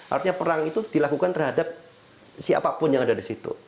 artinya perang itu dilakukan terhadap siapapun yang ada di situ